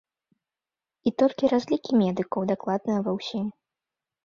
І толькі разлікі медыкаў дакладныя ва ўсім.